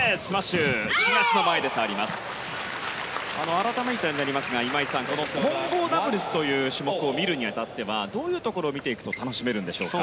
改めてになりますが今井さん、混合ダブルスという種目を見るに当たってはどういうところを見ていくと楽しめるんでしょうか。